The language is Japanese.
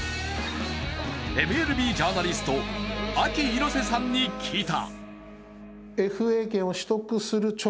ＭＬＢジャーナリストＡＫＩ猪瀬さんに聞いた。